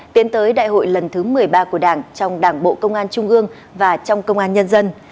tiến tới đại hội lần thứ một mươi ba của đảng trong đảng bộ công an trung ương và trong công an nhân dân